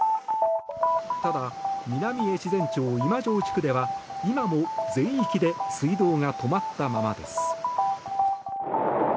ただ南越前町今庄地区では今も全域で水道が止まったままです。